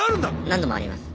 何度もあります。